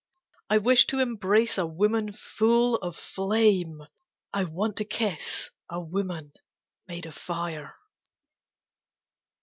I wish to embrace a woman full of flame, I want to kiss a woman made of fire.